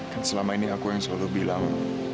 kan selama ini aku yang selalu bilang